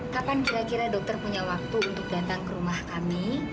kapan kira kira dokter punya waktu untuk datang ke rumah kami